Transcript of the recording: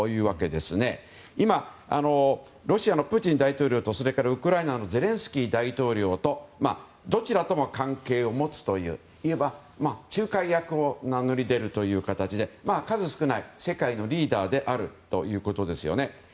今、ロシアのプーチン大統領とウクライナのゼレンスキー大統領とどちらとも関係を持つといういわば仲介役を名乗り出る形で数少ない世界のリーダーであるということですよね。